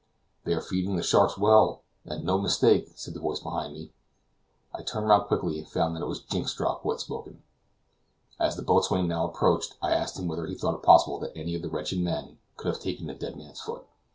"They are feeding the sharks well, and no mistake," said a voice behind me. I turned round quickly, and found that it was Jynxstrop who had spoken. As the boatswain now approached, I asked him whether he thought it possible that any of the wretched men could have taken the dead man's foot.